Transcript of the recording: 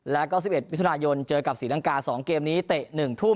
และก็วันที่๑๑๐๐นมิถุนายลเจอกับศรีล้างกา๒เกมนี้เตะ๑ทุ่ม